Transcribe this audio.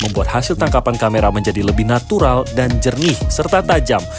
membuat hasil tangkapan kamera menjadi lebih natural dan jernih serta tajam